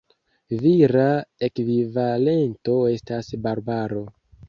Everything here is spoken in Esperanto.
Vira ekvivalento estas Barbaro.